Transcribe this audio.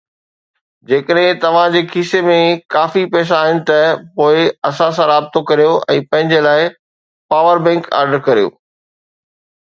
جيڪڏهن توهان جي کيسي ۾ ڪافي پئسا آهن ته پوءِ اسان سان رابطو ڪريو ۽ پنهنجي لاءِ پاور بئنڪ آرڊر ڪريو